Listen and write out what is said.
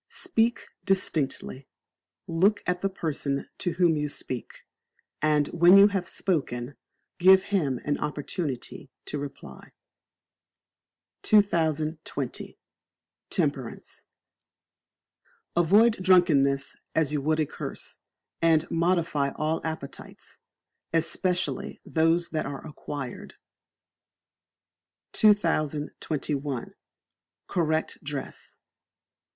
Speak Distinctly, look at the person to whom you speak, and when you have spoken, give him an opportunity to reply. 2020. Temperance. Avoid Drunkenness as you would a curse; and modify all appetites, especially those that are acquired. 2021. Correct Dress.